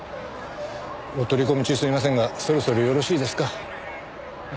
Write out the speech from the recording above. お取り込み中すみませんがそろそろよろしいですか？